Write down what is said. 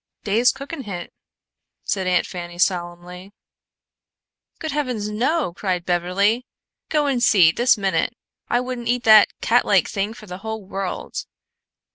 "Dey's cookin' hit!" said Aunt Fanny solemnly. "Good heaven, no!" cried Beverly. "Go and see, this minute. I wouldn't eat that catlike thing for the whole world."